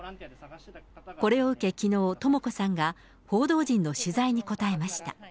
これを受けきのう、とも子さんが、報道陣の取材に答えました。